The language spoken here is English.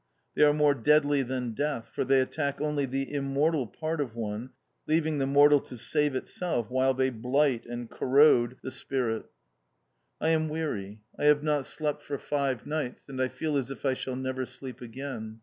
They are more deadly than Death, for they attack only the immortal part of one, leaving the mortal to save itself while they blight and corrode the spirit. I am weary. I have not slept for five nights, and I feel as if I shall never sleep again.